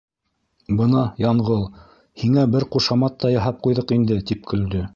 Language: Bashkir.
— Бына, Янғол, һиңә бер ҡушамат та яһап ҡуйҙыҡ инде! — тип көлдө.